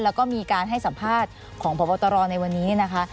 แล้วก็มีการให้สัมภาษณ์ของพบตรในวันนี้นะคะ